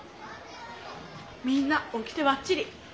みんなオキテばっちり！